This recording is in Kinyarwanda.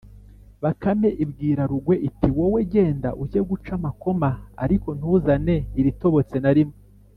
bakame ibwira rugwe iti: ‘wowe genda ujye guca amakoma, ariko ntuzane iritobotse na rimwe.’